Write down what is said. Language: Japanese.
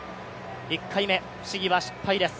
１回目、試技は失敗です。